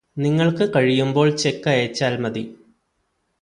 നിങ്ങൾക്ക് കഴിയുമ്പോൾ ചെക്ക് അയച്ചാൽ മതി